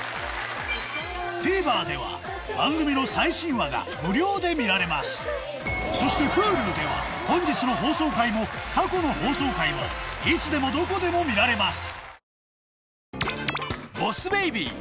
ＴＶｅｒでは番組の最新話が無料で見られますそしてＨｕｌｕでは本日の放送回も過去の放送回もいつでもどこでも見られます